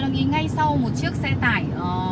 đang đi ngay sau một chiếc xe tải